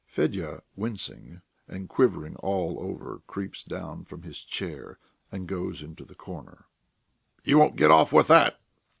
Fedya, wincing and quivering all over, creeps down from his chair and goes into the corner. "You won't get off with that!"